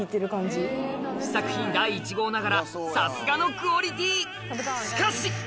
試作品第１号ながらさすがのクオリティー！